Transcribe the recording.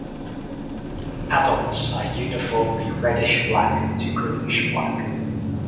Adults are uniformly reddish black to greenish black.